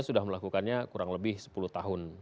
sudah melakukannya kurang lebih sepuluh tahun